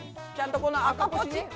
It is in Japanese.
ちゃんとこの赤ポチ。